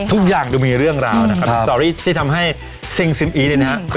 ทุกอย่างจะมีเรื่องราวนะครับครับตอนนี้ที่ทำให้เซ็งซิมอีดนะฮะครับ